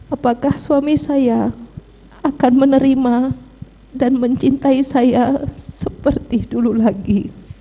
apakah suami saya akan menerima dan mencintai saya seperti dulu lagi